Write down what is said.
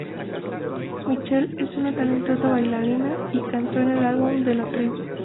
Michelle es una talentosa bailarina, y cantó en el álbum de La Tribu.